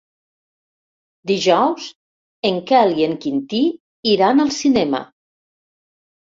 Dijous en Quel i en Quintí iran al cinema.